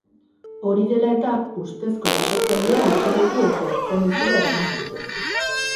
Hori dela eta, ustezko erasotzailea atxilotu eta ertzain-etxera eraman zuten.